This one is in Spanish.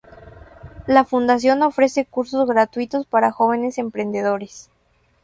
La fundación ofrece cursos gratuitos para jóvenes emprendedores.